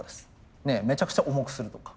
めちゃくちゃ重くするとか。